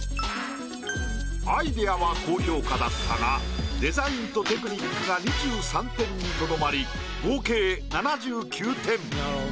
アイデアは高評価だったがデザインとテクニックが２３点にとどまり合計７９点。